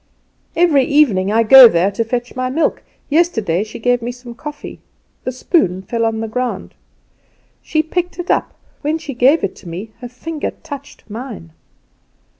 "Every evening I go there to fetch my milk. Yesterday she gave me some coffee. The spoon fell on the ground. She picked it up; when she gave it me her finger touched mine.